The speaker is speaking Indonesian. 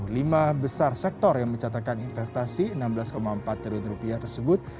lima besar sektor yang mencatatkan investasi rp enam belas empat triliun rupiah tersebut